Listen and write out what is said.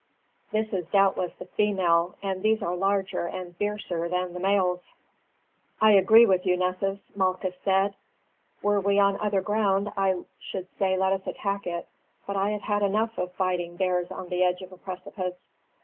"This is doubtless the female, and these are larger and fiercer than the males." "I agree with you, Nessus," Malchus said. "Were we on other ground I should say let us attack it, but I have had enough of fighting bears on the edge of a precipice.